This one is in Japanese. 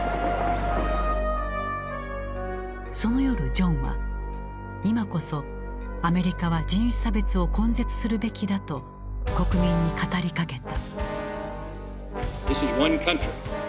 その夜ジョンは今こそアメリカは人種差別を根絶するべきだと国民に語りかけた。